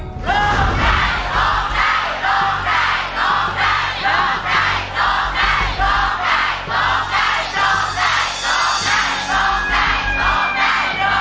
ร้องได้ร้องได้ร้องได้ร้องได้